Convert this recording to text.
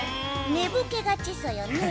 ねぼけがちソヨね。